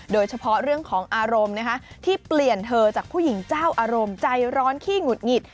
โดยเฉพาะเรื่องของอารมณ์ที่เปลี่ยนเธอจากผู้หญิงเจ้าอารมณ์ใจร้อนขี้หงุดหงิด